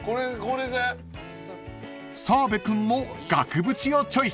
［澤部君も額縁をチョイス］